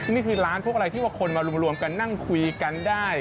นี่คือร้านพวกอะไรที่ว่าคนมารวมกันนั่งคุยกันได้